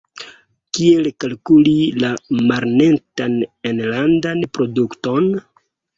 Kiel kalkuli la malnetan enlandan produkton?